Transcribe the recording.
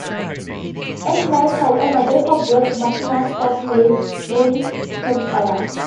At night however they observed Martinus’ force’s many campfires.